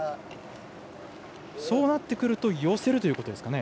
そうなってくると寄せるということですかね。